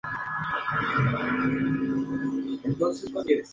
Las críticas al libro son variadas.